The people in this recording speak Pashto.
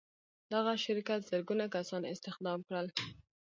دغه شرکت زرګونه کسان استخدام کړل